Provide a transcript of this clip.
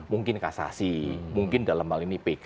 mungkin kasasi mungkin dalam hal ini pk